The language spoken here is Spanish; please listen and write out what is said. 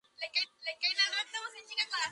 Tenían dos cámaras y un área de entrada.